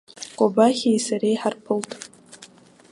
Кобахьиеи сареи ҳарԥылт.